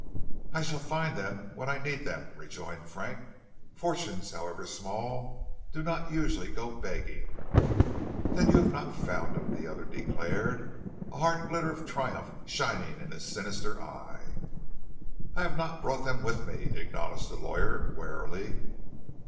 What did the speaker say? "I shall find them when I need them," rejoined Frank. "Fortunes, however small, do not usually go begging." "Then you have not found them?" the other declared, a hard glitter of triumph shining in his sinister eye. "I have not brought them with me," acknowledged the lawyer, warily.